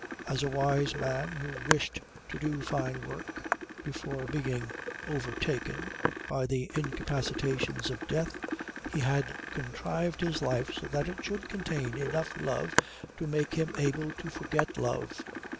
As a wise man who wished to do fine work before being overtaken by the incapacitations of death, he had contrived his life so that it should contain enough love to make him able to forget love.